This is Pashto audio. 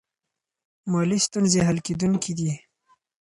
مالي ستونزې حل کیدونکې دي.